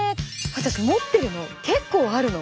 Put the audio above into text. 私持ってるの結構あるの。